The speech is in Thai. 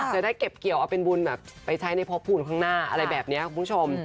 จะได้เก็บเกี่ยวเอาเป็นบุญแบบไปใช้ในพบภูมิข้างหน้าอะไรแบบนี้คุณผู้ชม